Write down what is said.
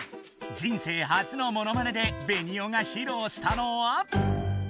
人生初のモノマネでベニオがひろうしたのは。